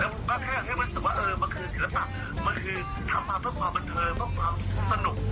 แล้วก็ทำกันแบบให้มันคือศิลปะมันคือทำตราบเผื่อประมาณเทลต้องประมาณสนุก